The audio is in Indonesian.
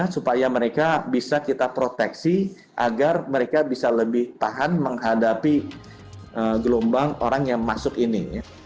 supaya mereka bisa kita proteksi agar mereka bisa lebih tahan menghadapi gelombang orang yang masuk ini